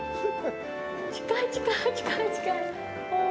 近い近い、近い近い。